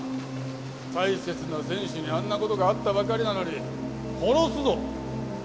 大切な選手にあんな事があったばかりなのに「殺すぞ」。